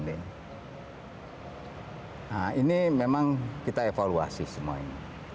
nah ini memang kita evaluasi semua ini